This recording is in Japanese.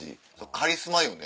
カリスマよね。